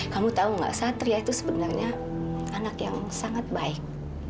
kamu tahu nggak satria itu sebenarnya anak yang sangat baik